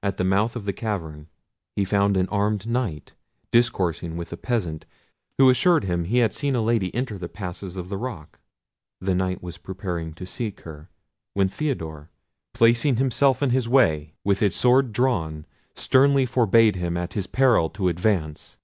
At the mouth of the cavern he found an armed Knight, discoursing with a peasant, who assured him he had seen a lady enter the passes of the rock. The Knight was preparing to seek her, when Theodore, placing himself in his way, with his sword drawn, sternly forbad him at his peril to advance.